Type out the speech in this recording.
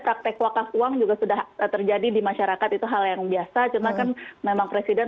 praktek wakaf uang juga sudah terjadi di masyarakat itu hal yang biasa cuma kan memang presiden